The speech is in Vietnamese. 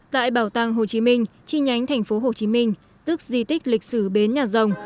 tại bảo tàng hồ chí minh chi nhánh thành phố hồ chí minh tức di tích lịch sử bến nhà rồng